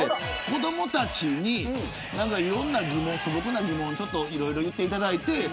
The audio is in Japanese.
子どもたちに、いろんな疑問素朴な疑問をいろいろ言っていただいて。